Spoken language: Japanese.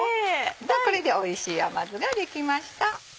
これでおいしい甘酢ができました。